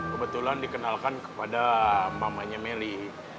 kebetulan dikenalkan kepada mamanya mary